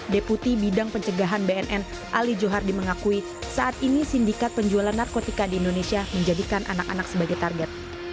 deputi bidang pencegahan bnn ali johardi mengakui saat ini sindikat penjualan narkotika di indonesia menjadikan anak anak sebagai target